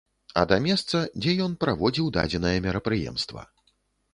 А да месца, дзе ён праводзіў дадзенае мерапрыемства.